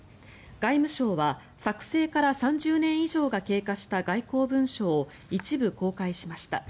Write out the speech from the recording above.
外務省は、作成から３０年以上が経過した外交文書を一部公開しました。